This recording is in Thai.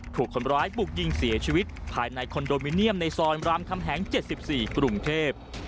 ถูกคนร้ายบุกยิงเสียชีวิตภายในคอนโดมิเนียมในซอยรามคำแหง๗๔กรุงเทพ